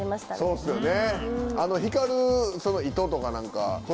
そうですね。